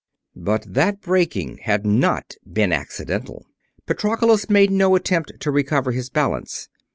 But that breaking had not been accidental; Patroclus made no attempt to recover his balance.